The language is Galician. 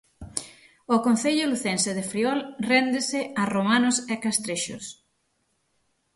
O Concello lucense de Friol réndese a romanos e castrexos.